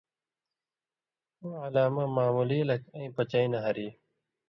اُو علامہ معمولی لکھ اَیں پَچَیں نہ ہری